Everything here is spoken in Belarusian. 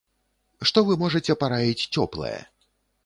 Што вы можаце параіць цёплае?